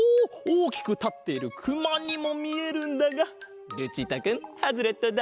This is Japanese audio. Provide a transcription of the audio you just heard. おおきくたっているくまにもみえるんだがルチータくんハズレットだ！